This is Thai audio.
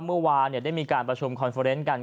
เมื่อวานได้มีการประชุมคอนเฟอร์เนสกัน